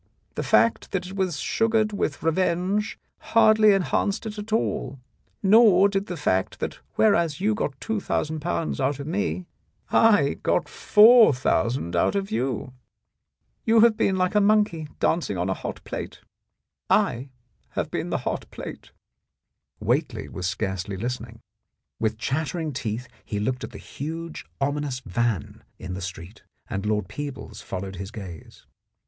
The fact that it was sugared with revenge hardly enhanced it at all, nor did the fact that whereas you got two thousand pounds out of me, I got four thousand out of you. You have been like 64 The Blackmailer of Park Lane a monkey dancing on a hot plate. I have been the hot plate." Whately was scarcely listening; with chattering teeth he looked at the huge ominous van in the street, and Lord Peebles followed his gaze.